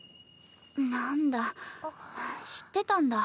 なんだ知ってたんだ。